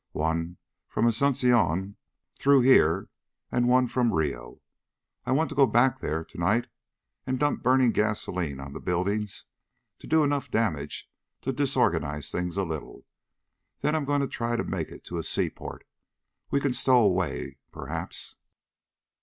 One from Asunción through here and one from Rio. I want to go back there to night and dump burning gasoline on the buildings, to do enough damage to disorganize things a little. Then I'm going to try to make it to a seaport. We can stow away, perhaps."